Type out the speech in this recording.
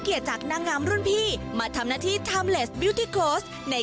จากนางงามรุ่นพี่มาทำหน้าที่ทำเลสบิวตี้โค้ชใน